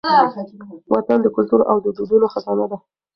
وطن د کلتور او دودونو خزانه ده.